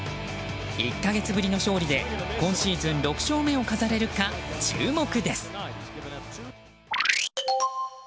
１か月ぶりの勝利で今シーズン６勝目を飾れるか注目です。